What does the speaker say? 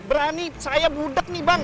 berani saya budek nih bang